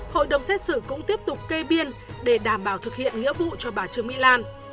hội đồng xét xử cũng tiếp tục kê biên để đảm bảo thực hiện nghĩa vụ cho bà trương mỹ lan